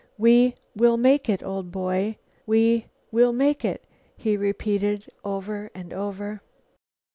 "We we'll make it, old boy. We we'll make it," he repeated over and over.